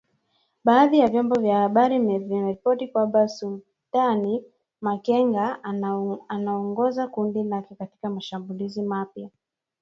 Baadhi ya vyombo vya habari vimeripoti kwamba Sultani Makenga anaongoza kundi lake katika mashambulizi mapya.